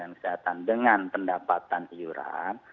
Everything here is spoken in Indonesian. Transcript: kementerian kesehatan dengan pendapatan iuran